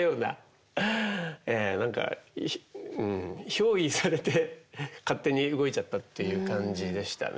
ええ何か憑依されて勝手に動いちゃったっていう感じでしたね。